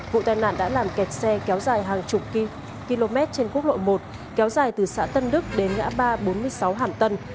vụ tai nạn đã làm kẹt xe kéo dài hàng chục km trên quốc lộ một kéo dài từ xã tân đức đến ngã ba bốn mươi sáu hàm tân